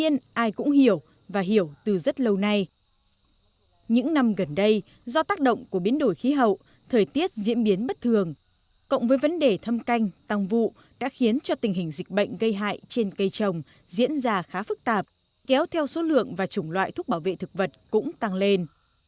những năm gần đây do tác động của biến đổi khí hậu thời tiết diễn biến bất thường cộng với vấn đề thâm canh tăng vụ đã khiến cho tình hình dịch bệnh gây hại trên cây trồng diễn ra khá phức tạp kéo theo số lượng và chủng loại thuốc bảo vệ thực vật cũng tăng lên